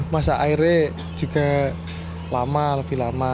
masa airnya juga lama lebih lama